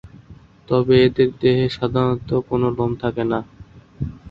তবে এদের দেহে সাধারণতঃ কোনো লোম থাকেনা।